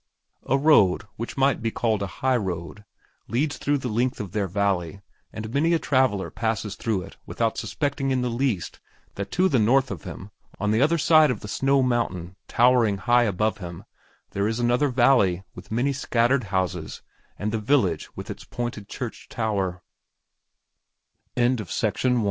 A road which might be called a high road leads through the length of their valley and many a traveler passes through it without suspecting in the least that to the north of him, on the other side of the snow mountain towering high above him, there is another valley with many scattered houses and the vi